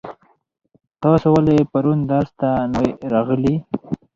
تاسو ولې پرون درس ته نه وای راغلي؟